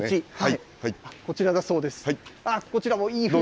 こちらがそうです。